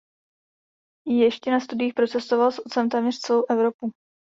Ještě na studiích procestoval s otcem téměř celou Evropu.